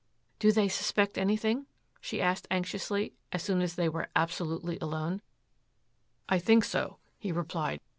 "Do they suspect anything?" she asked anxiously as soon as they were absolutely alone. "I think so," he replied.